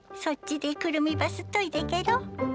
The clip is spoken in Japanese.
そっちでくるみばすっといてけろ。